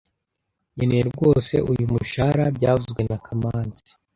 Nkeneye rwose uyu mushahara byavuzwe na kamanzi